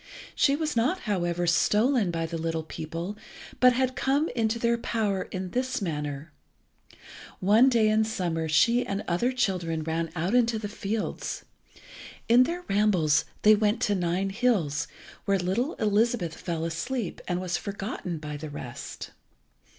She was not, however, stolen by the little people, but had come into their power in this manner. One day in summer she and other children ran out into the fields. In their rambles they went to the Nine hills, where little Elizabeth fell asleep, and was forgotten by the rest.